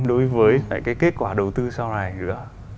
đối với cái kết quả đầu tư sau này nữa